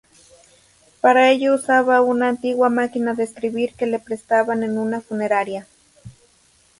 Para ello usaba una antigua máquina de escribir que le prestaban en una funeraria.